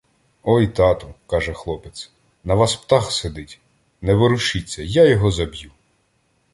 - Ой тату, - каже хлопець, - на вас птах сидить! Не ворушіться, я його заб'ю.